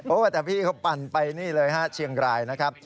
แต่พี่เขาปั่นไปนี่เลยฮะเชียงรายนะครับ